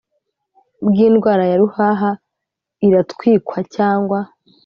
bw indwara ya ruhaha iratwikwa cyangwa